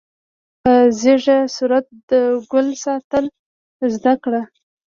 په ځیږه صورت د ګلو ساتل زده کړه.